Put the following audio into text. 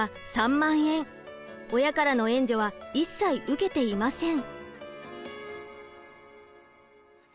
親からの援助は一切受けていません。